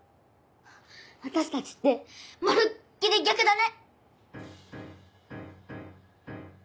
私たちってまるっきり逆だね！